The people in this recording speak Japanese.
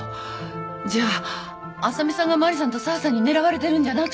じゃああさみさんがマリさんと沢さんに狙われてるんじゃなくて。